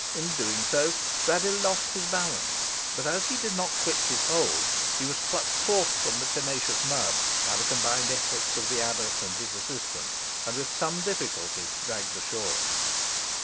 In doing so Braddyll lost his balance, but, as he did not quit his hold, he was plucked forth from the tenacious mud by the combined efforts of the abbot and his assistant, and with some difficulty dragged ashore.